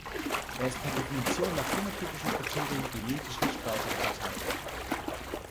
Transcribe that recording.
Es ist per definitionem nach phänotypischen Kriterien genetisch nicht weiter unterteilbar.